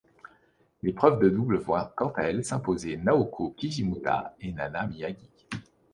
L'épreuve de double voit quant à elle s'imposer Naoko Kijimuta et Nana Miyagi.